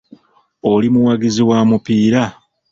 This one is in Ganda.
Oli muwagizi wa mupiira?